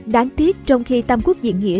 đáng tiếc trong khi tam quốc diễn nghĩa